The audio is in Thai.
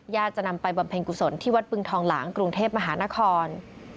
จะนำไปบำเพ็ญกุศลที่วัดบึงทองหลางกรุงเทพมหานคร